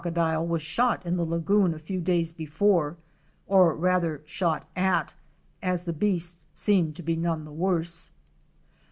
383 dile was shot in the lagoon a few days before, or rather shot at, as the beast seemed to be none the worse.